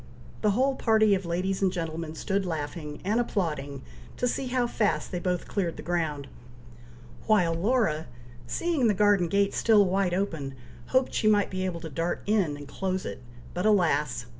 The whole party of ladies and gentlemen stood laughing, and applauding, to see how fast they both cleared the ground, while Laura, seeing the garden gate still wide open, hoped she might be able to dart in, and close it, but alas!